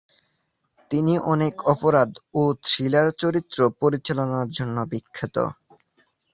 তিনি অনেক অপরাধ ও থ্রিলার চলচ্চিত্র পরিচালনার জন্য বিখ্যাত।